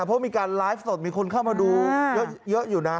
เพราะมีการไลฟ์สดมีคนเข้ามาดูเยอะอยู่นะ